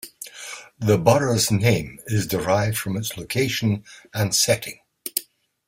The borough's name is derived from its location and setting.